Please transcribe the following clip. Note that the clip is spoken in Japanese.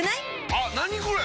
あっ何これ！